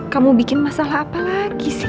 kamu bikin masalah apa lagi sih